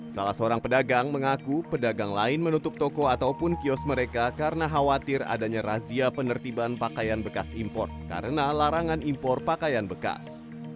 salah seorang pedagang mengaku pedagang lain menutup toko ataupun kios mereka karena khawatir adanya razia penertiban pakaian bekas impor karena larangan impor pakaian bekas